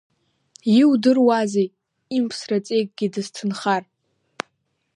Иудыруазеи, имԥсра ҵеикгьы дысҭынхар?